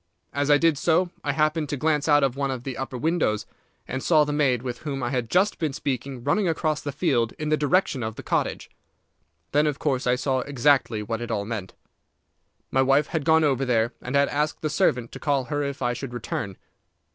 As I did so I happened to glance out of one of the upper windows, and saw the maid with whom I had just been speaking running across the field in the direction of the cottage. Then of course I saw exactly what it all meant. My wife had gone over there, and had asked the servant to call her if I should return.